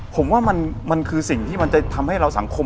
ผมว่ามันคือสิ่งที่มันจะทำให้เราสังคม